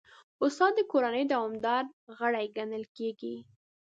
استاد د کورنۍ دوامدار غړی ګڼل کېږي.